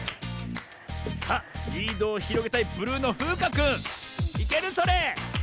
さあリードをひろげたいブルーのふうかくんいけるそれ？